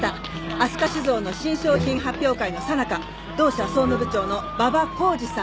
「飛鳥酒造の新商品発表会のさなか同社総務部長の馬場孝治さん